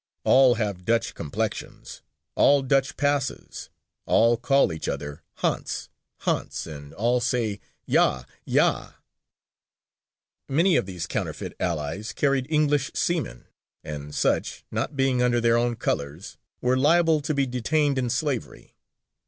All have Dutch complexions; all Dutch passes; all call each other Hans, Hans, and all say Yaw, Yaw!" Many of these counterfeit allies carried English seamen, and such, not being under their own colours, were liable to be detained in slavery.